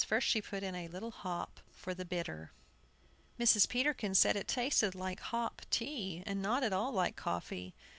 First she put in a little hop for the bitter. Mrs. Peterkin said it tasted like hop tea, and not at all like coffee.